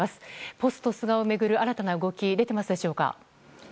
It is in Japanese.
ポスト菅を巡る新たな動き、出てますでしょうか。